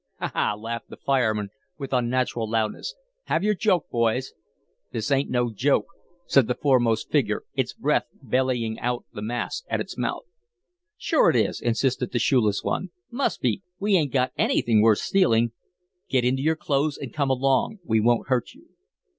"Ha, ha!" laughed the fireman, with unnatural loudness. "Have your joke boys." "This ain't no joke," said the foremost figure, its breath bellying out the mask at its mouth. "Sure it is," insisted the shoeless one. "Must be we ain't got anything worth stealing." "Get into your clothes and come along. We won't hurt you."